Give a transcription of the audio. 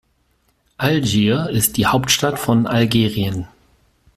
Algier ist die Hauptstadt von Algerien.